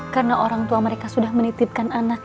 karena orang tua mereka sudah menitipkan anak